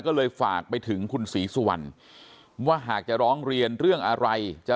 ก็เลยฝากไปถึงคุณศรีสุวรรณว่าหากจะร้องเรียนเรื่องอะไรจะ